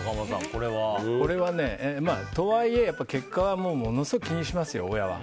これは、とはいえ結果はものすごい気にしますよ、親は。